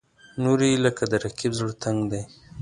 نورې یې لکه د رقیب زړه تنګ دي.